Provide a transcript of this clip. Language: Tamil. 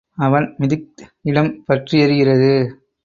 அவன் மிதித்க இடம் பற்றி எரிகிறது.